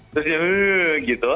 terus dia gitu